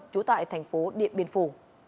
trú tại thành phố điện biên phủ